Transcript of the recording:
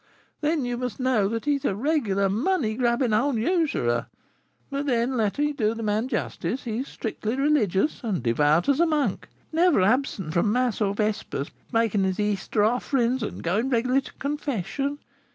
then you must know that he is a regular money grubbing old usurer; but then, let me do the man justice. He is strictly religious, and devout as a monk; never absent from mass or vespers, making his Easter offerings, and going regularly to confession.